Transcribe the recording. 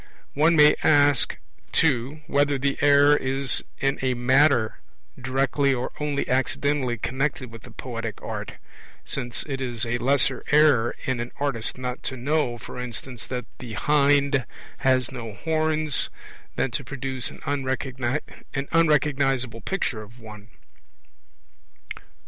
One may ask, too, whether the error is in a matter directly or only accidentally connected with the poetic art; since it is a lesser error in an artist not to know, for instance, that the hind has no horns, than to produce an unrecognizable picture of one.